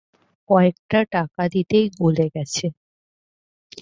কয়েকটা টাকা দিতেই গলে গেছে।